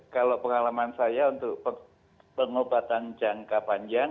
kalau pengalaman saya untuk pengobatan jangka panjang